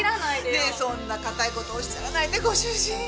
ねえそんなかたい事おっしゃらないでご主人。